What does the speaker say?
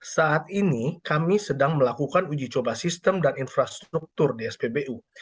saat ini kami sedang melakukan uji coba sistem dan infrastruktur di spbu